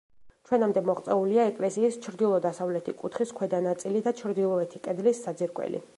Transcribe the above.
ჩვენამდე მოღწეულია ეკლესიის ჩრდილო-დასავლეთი კუთხის ქვედა ნაწილი და ჩრდილოეთი კედლის საძირკველი.